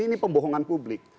ini pembohongan publik